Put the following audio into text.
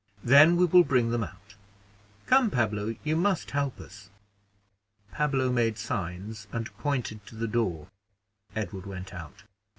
"Then we will bring them out. Come, Pablo, you must help us." Pablo made signs, and pointed to the door. Edward went out.